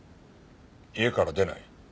家から出ない。